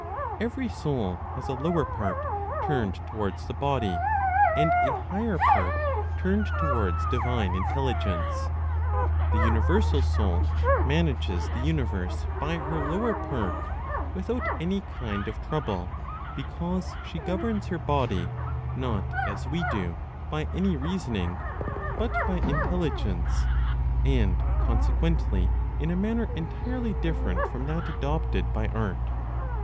Every soul has a · lower part turned towards the body, and a higher part turned towards divine Intelligence. The universal Soul manages the universe by her lower part without any kind of trouble, because she governs her body not as we do by any reasoning, but by intelligence, and consequently in a manner entirely different from that adopted by art.